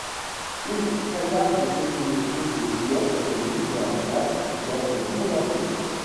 Une très large communauté de joueurs s'est mise en place dans le monde entier.